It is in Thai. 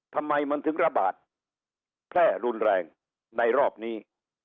ทำไมมันถึงระบาดแพร่รุนแรงในรอบนี้